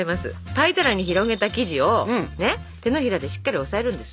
パイ皿に広げた生地を手のひらでしっかり押さえるんです。